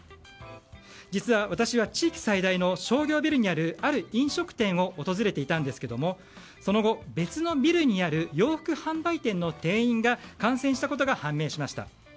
実は、私は地域最大の商業ビルにあるある飲食店を訪れていたんですがその後、別のビルにある洋服販売店の店員が感染したことが判明しました。